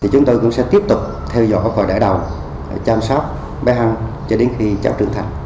chúng tôi cũng sẽ tiếp tục theo dõi và đẻ đầu chăm sóc bé ăn cho đến khi cháu trưởng thành